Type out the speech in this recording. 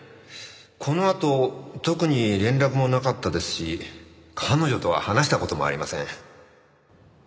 このあと特に連絡もなかったですし彼女とは話した事もありません。